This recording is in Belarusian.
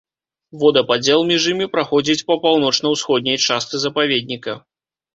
Водападзел між імі праходзіць па паўночна-ўсходняй частцы запаведніка.